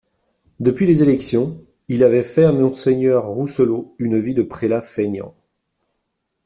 Depuis les élections, il avait fait à monseigneur Rousselot une vie de prélat fainéant.